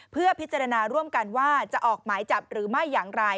เพื่อพิจารณาร่วมกันว่าจะออกหมายจับหรือไม่อย่างไร